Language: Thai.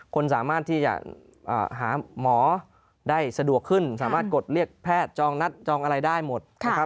คนสามารถที่จะหาหมอได้สะดวกขึ้นสามารถกดเรียกแพทย์จองนัดจองอะไรได้หมดนะครับ